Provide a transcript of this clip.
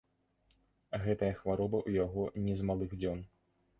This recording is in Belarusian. Гэтая хвароба ў яго не з малых дзён.